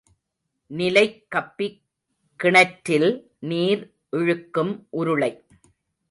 நிலைக் கப்பி கிணற்றில் நீர் இழுக்கும் உருளை.